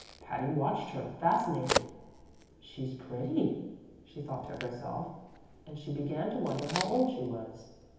Patty watched her, fascinated. "She's pretty," she thought to herself and she began to wonder how old she was.